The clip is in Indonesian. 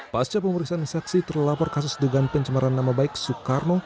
pasca pemeriksaan saksi terlapor kasus dugaan pencemaran nama baik soekarno